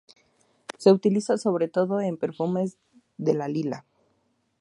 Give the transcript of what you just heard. Se utiliza sobre todo en perfumes de la lila.